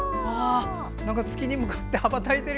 月に向かって羽ばたいてる！